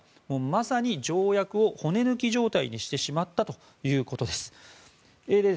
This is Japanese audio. まさに条約を骨抜き状態にしてしまったということです。